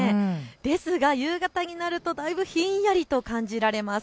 ですが夕方になるとだいぶひんやりと感じられます。